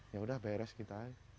ya udah beres kita